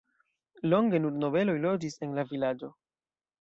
Longe nur nobeloj loĝis en la vilaĝo.